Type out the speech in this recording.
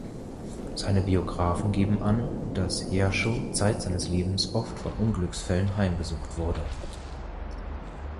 Seine Biographen geben an, dass Jerschow zeit seines Lebens oft von Unglücksfällen heimgesucht wurde.